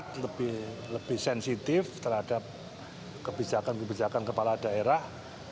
untuk lebih cermat lebih sensitif terhadap kebijakan kebijakan kepala daerah